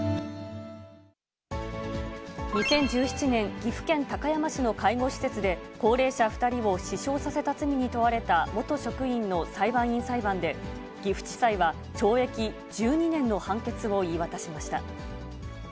２０１７年、岐阜県高山市の介護施設で、高齢者２人を死傷させた罪に問われた元職員の裁判員裁判で、岐阜地裁は懲役１２年の判決を言い渡しました。